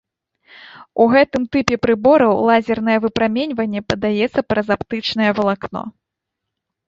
У гэтым тыпе прыбораў лазернае выпраменьванне падаецца праз аптычнае валакно.